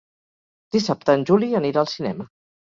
Dissabte en Juli anirà al cinema.